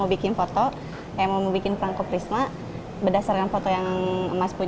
untuk empat atau enam buah perangko bernilai nominal rp lima